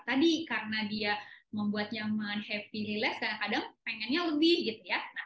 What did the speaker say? tadi karena dia membuat nyaman happy relax kadang kadang pengennya lebih